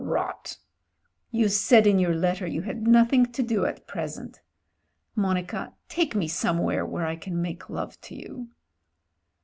"Rot! You said in your letter you had nothing to do at present. Monica, take me somewhere where I can make love to you."